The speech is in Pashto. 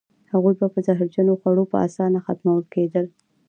هغوی به په زهرجنو خوړو په اسانه ختمول کېدل.